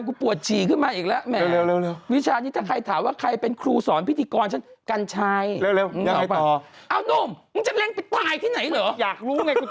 อยากรู้ไงกูจะพูดว่าไงต่อมันคืออะไรเราจะฟังอยู่